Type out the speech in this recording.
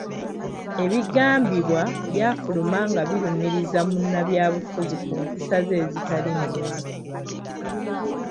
Ebigambibwa byafuluma nga birumiriza munnabyabufuzi ku mpisa ze ezitali nnungi.